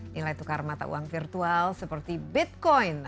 nilai tukar mata uang virtual seperti bitcoin